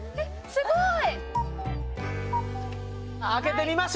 すごい！